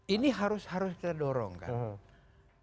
ini harus kita dorongkan